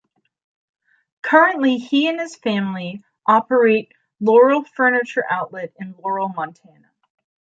Currently he and his family operate Laurel Furniture Outlet in Laurel, Montana.